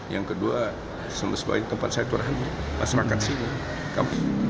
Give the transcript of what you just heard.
yang kedua sebaik baik tempat saya turhanku masyarakat sini